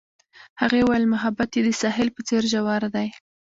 هغې وویل محبت یې د ساحل په څېر ژور دی.